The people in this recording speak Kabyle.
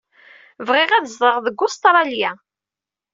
Bɣiɣ ad zedɣeɣ deg Ustṛalya.